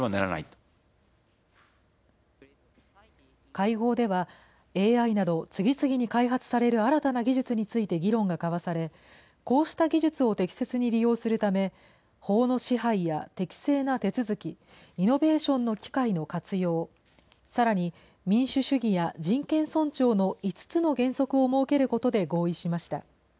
会合では、ＡＩなど次々に開発される新たな技術について議論が交わされ、こうした技術を適切に利用するため、法の支配や適正な手続き、イノベーションの機会の活用、さらに民主主義や人権尊重の５つの原則を設けることで合意しました。